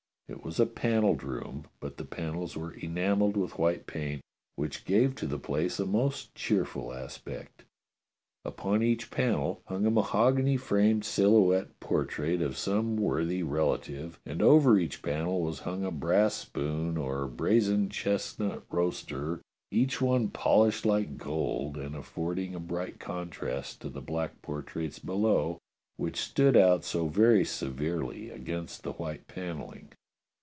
It was a panelled room, but the panels were enamelled with white paint, which gave to the place a most cheerful aspect. Upon each panel hung a mahogany framed silhouette portrait of some worthy relative and over each panel was hung a brass spoon or brazen chestnut roaster, each one polished like gold and affording a bright contrast to the black portraits below, which stood out so very severely against the white panelling.